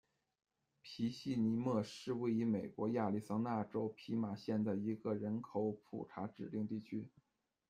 皮西尼莫是位于美国亚利桑那州皮马县的一个人口普查指定地区。